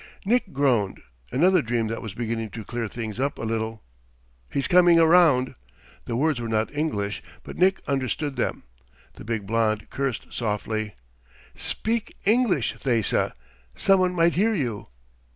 Nick groaned. Another dream that was beginning to clear things up a little... "He's coming around." The words were not English, but Nick understood them. The big blond cursed softly. "Speak English, Thesa. Someone might hear you!"